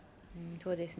そうですね。